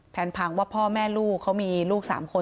พังว่าพ่อแม่ลูกเขามีลูก๓คน